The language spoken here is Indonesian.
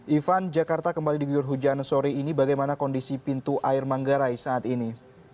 ivan jakarta kembali diguyur hujan sore ini bagaimana kondisi pintu air manggarai saat ini